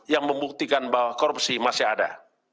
yang membuktikan bahwa korupsi masih ada